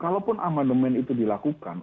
kalaupun amandemen itu dilakukan